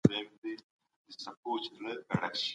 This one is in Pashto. ویب اپلېکېشنونه باید په ټولو وسایلو کې ګړندي بار شي.